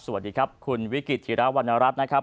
สวัสดีครับคุณวิกฤตธิระวรรณรัฐนะครับ